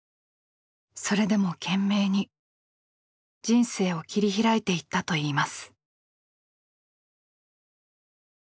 それでも懸命に人生を切り開いていったといいます。